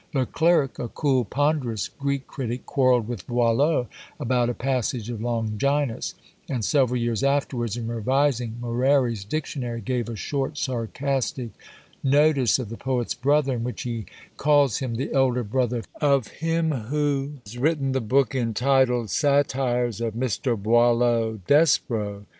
Le Clerc, a cool ponderous Greek critic, quarrelled with Boileau about a passage in Longinus, and several years afterwards, in revising Moreri's Dictionary, gave a short sarcastic notice of the poet's brother; in which he calls him the elder brother of him who has written the book entitled, "Satires of Mr. Boileau Despréaux!"